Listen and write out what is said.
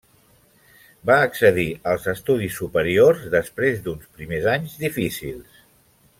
Va accedir als estudis superiors després d'uns primers anys difícils.